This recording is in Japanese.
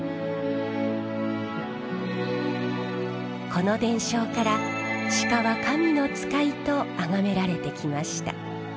この伝承から鹿は神の使いとあがめられてきました。